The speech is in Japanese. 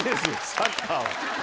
サッカーは。